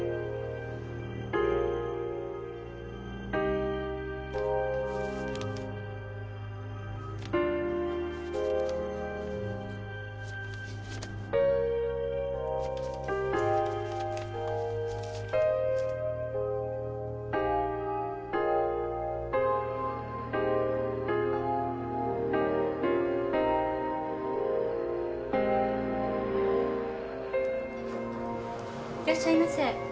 いらっしゃいませ。